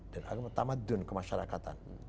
dan agama tamaddun kemasyarakatan